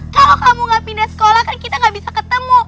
kalau kamu gak pindah sekolah kan kita gak bisa ketemu